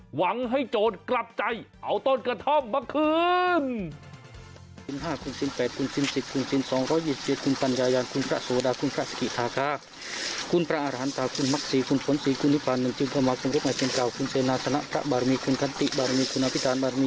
หวังให้โจรกลับใจเอาต้นกระท่อมมาคืน